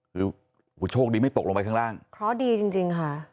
คือโชคดีไม่ตกลงไปข้างล่างเคราะห์ดีจริงจริงค่ะ